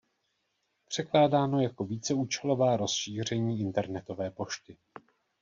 Překládáno jako "víceúčelová rozšíření internetové pošty".